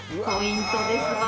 ポイントです